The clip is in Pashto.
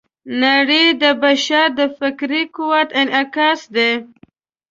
نړۍ د بشر د فکري قوت انعکاس دی.